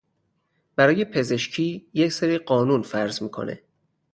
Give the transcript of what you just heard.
برای پزشکی یه سری قانون فرض میکنه